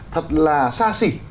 thật là xa xỉ